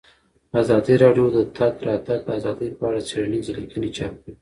ازادي راډیو د د تګ راتګ ازادي په اړه څېړنیزې لیکنې چاپ کړي.